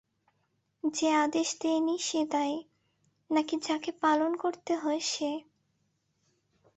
যে আদেশ দেয় সে দায়ী, নাকি যাকে পালন করতে হয় সে?